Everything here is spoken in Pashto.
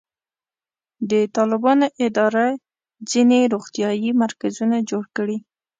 د طالبانو اداره ځینې روغتیایي مرکزونه جوړ کړي.